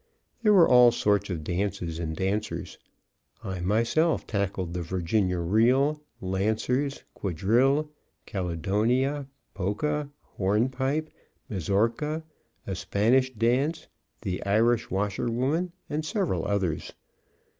There were all sorts of dances and dancers. I myself tackled the Virginia reel, Lancers, Quadrille, Caledonia, Polka, Hornpipe, Mazourka, a Spanish dance, the Irish Washwoman, and several others.